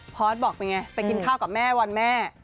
พอสบอกเป็นไงไปกินข้าวกับแม่วันแม่